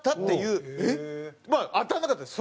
まあ当たらなかったんです。